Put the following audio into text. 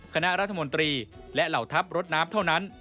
คณะรัฐมนตรีและเหล่าทัพรถน้ำเท่านั้น